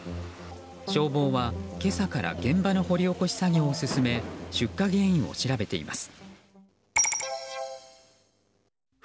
消防は、今朝から現場の掘り起こし作業を進め出火原因を調べています。